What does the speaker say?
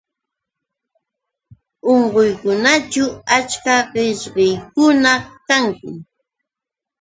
Unquywasićhu achka qishyaqkuna kanki